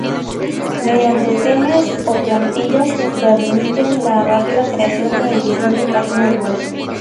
Mediante Themes o Plantillas permiten la rápida creación y edición de páginas web.